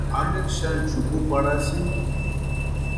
¿Amperi xani xukuparhasïnki?